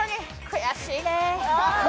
悔しいね。